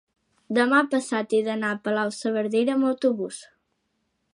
demà passat he d'anar a Palau-saverdera amb autobús.